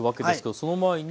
その前に。